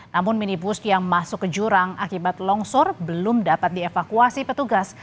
namun minibus yang masuk ke jurang akibat longsor belum dapat dievakuasi petugas